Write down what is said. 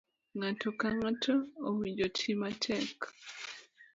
Ng'ato ka ng'ato owinjo oti matek.